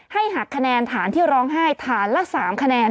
หักคะแนนฐานที่ร้องไห้ฐานละ๓คะแนน